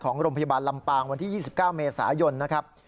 ของโรงพยาบาลลำปางวันที่๒๙เมษายนนะครับ